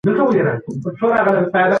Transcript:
د پښتو د پرمختګ لپاره باید جدي تبلیغات وسو.